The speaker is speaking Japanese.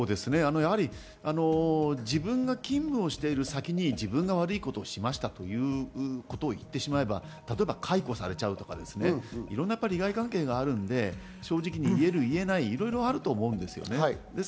やはり自分が勤務している先に自分が悪いことをしましたということを言ってしまえば例えば解雇されちゃうとか、いろんな利害関係があるので、正直に言える、言えない、いろいろあると思うんです。